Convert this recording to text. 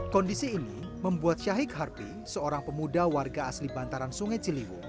kondisi ini membuat syahik harpi seorang pemuda warga asli bantaran sungai ciliwung